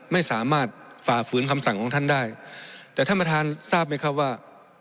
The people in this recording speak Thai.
ไม่สามารถฝ่าฝืนคำสั่งของท่านได้แต่ท่านประธานทราบไหมครับว่า